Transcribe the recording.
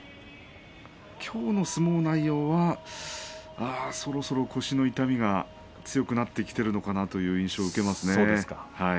きょうの相撲内容はそろそろ腰の痛みが強くなってきているのかなという印象を受けますね。